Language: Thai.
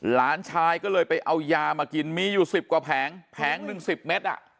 หลานชายก็เลยไปเอายามากินมีอยู่สิบกว่าแผงแผงหนึ่งสิบเมตรอ่ะ